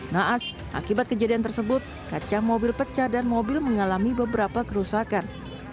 naas akibat kejadian tersebut kaca mobil pecah dan mobil mengalami beberapa kerusakan